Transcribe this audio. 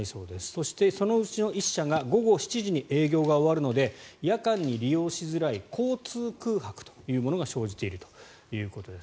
そしてそのうちの１社が午後７時に営業が終わるので夜間に利用しづらい交通空白というものが生じているということです。